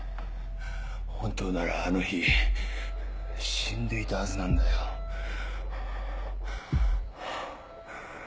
本当ならあの日死んでいたはずなんだよ。ハァハァ。